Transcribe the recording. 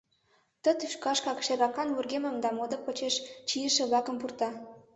Ты тӱшкашкак шергакан вургемым да мода почеш чийыше-влакым пурта.